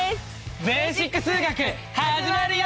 「ベーシック数学」始まるよ！